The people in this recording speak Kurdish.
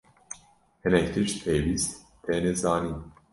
Hinek tişt pêwîst têne zanîn.